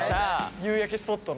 夕焼けスポットのね。